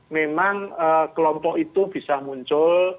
memang kelompok itu bisa muncul